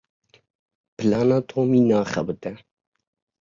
Plana Tomî naxebite.